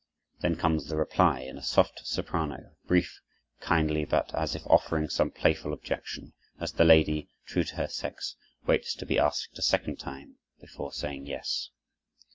Then comes the reply, in a soft soprano, brief, kindly, but as if offering some playful objection, as the lady, true to her sex, waits to be asked a second time before saying yes.